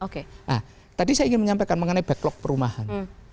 nah tadi saya ingin menyampaikan mengenai backlog perumahan